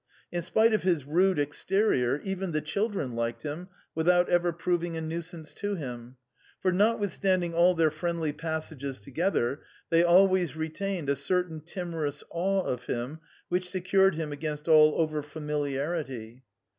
In spite of his rude exterior, even the children liked him, without ever proving a nuisance to him ; for notwithstanding all their friendly passages together, they always retained a certain timorous awe of him, which secured him against all over familiarity.